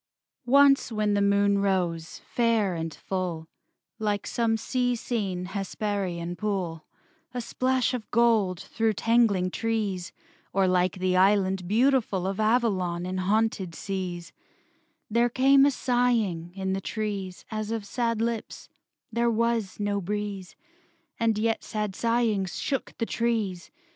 III Once when the moon rose, fair and full, Like some sea seen Hesperian pool, A splash of gold through tangling trees, Or like the Island beautiful Of Avalon in haunted seas, There came a sighing in the trees As of sad lips; there was no breeze, And yet sad sighings shook the trees.